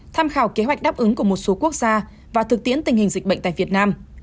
tham khảo kế hoạch đáp ứng của một số quốc gia và thực tiễn tình hình dịch bệnh tại việt nam